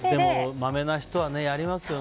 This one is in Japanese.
まめな人はやりますよね。